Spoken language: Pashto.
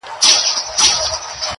دغه خوار ملنگ څو ځايه تندی داغ کړ.